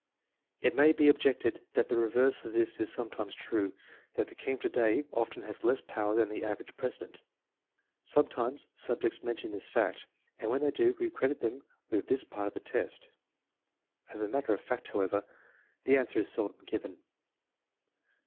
It may be objected that the reverse of this is sometimes true, that the king of to day often has less power than the average president. Sometimes subjects mention this fact, and when they do we credit them with this part of the test. As a matter of fact, however, this answer is seldom given.